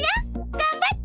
がんばって！